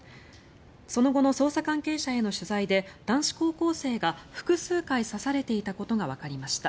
その後の捜査関係者への取材で男子高校生が複数回刺されていたことがわかりました。